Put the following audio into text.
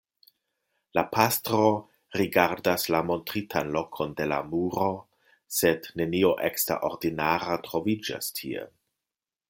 La pastro rigardas la montritan lokon de la muro, sed nenio eksterordinara troviĝas tie.